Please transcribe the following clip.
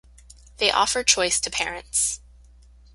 They offer choice to parents.